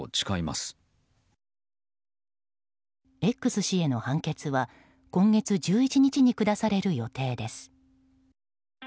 Ｘ氏への判決は今月１１日に下される予定です。